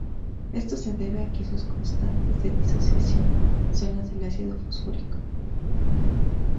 Esto se debe a que sus constantes de disociación son las del ácido fosfórico.